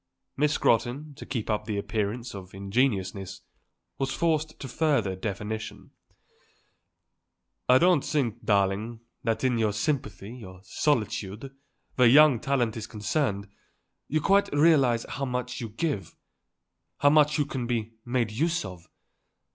Miss Scrotton, to keep up the appearance of ingenuousness, was forced to further definition. "I don't think, darling, that in your sympathy, your solicitude, where young talent is concerned, you quite realize how much you give, how much you can be made use of.